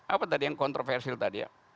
apa tadi yang kontroversial tadi ya